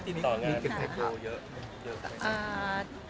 ที่เกิดแทนคลวก่อนเกิดแทนคลอก่อน